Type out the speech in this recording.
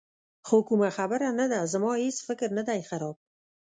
خو کومه خبره نه ده، زما هېڅ فکر نه دی خراب.